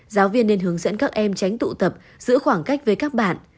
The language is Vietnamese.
giáo viên nên hướng dẫn các em tránh tụ tập giữ khoảng cách với các bạn